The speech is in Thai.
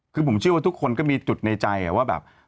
คือผมเชื่อว่าทุกคนก็มีจุดในใจว่าแบบ